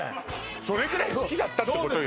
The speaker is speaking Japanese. それぐらい好きだったってことよ